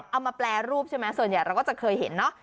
มาแปรรูปใช่ไหมส่วนใหญ่เราก็จะเคยเห็นเนอะ